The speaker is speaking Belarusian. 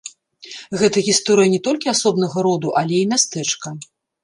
Гэта гісторыя не толькі асобнага роду, але і мястэчка.